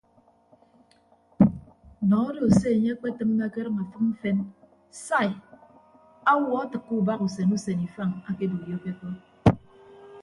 Nọ odo se enye ekpetịmme akedʌñ efịk mfen sai awuọ atịkke ubahausen usen ifañ akeboiyoke ko.